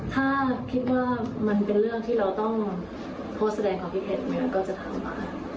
ถ้าคิดว่ามันเป็นเรื่องที่เราต้องโพสต์แสดงความคิดเห็นก็จะทำมา